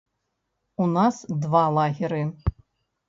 У нас два лагеры.